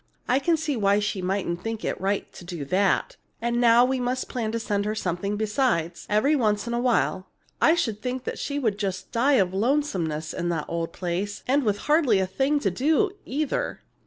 I can see why she mightn't think it right to do that. And now we must plan to send her something besides, every once in a while. I should think she'd just die of lonesomeness in that old place, and with hardly a thing to do, either!"